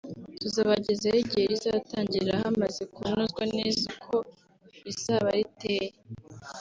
tuzabagezaho igihe rizatangirira hamaze kunozwa neza uko rizaba riteye